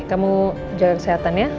kamu jalan kesehatan ya